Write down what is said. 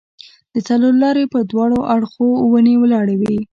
د څلورلارې پر دواړو اړخو ونې ولاړې وې.